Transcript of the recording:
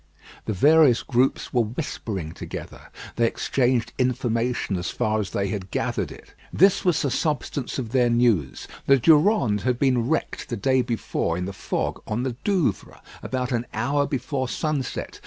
The various groups were whispering together. They exchanged information as far as they had gathered it. This was the substance of their news. The Durande had been wrecked the day before in the fog on the Douvres, about an hour before sunset.